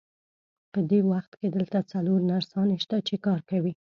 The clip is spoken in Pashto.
په دې وخت کې دلته څلور نرسانې شته، چې کار کوي.